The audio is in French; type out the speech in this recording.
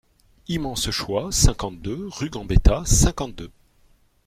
Immense choix cinquante-deux, rue Gambetta, cinquante-deux.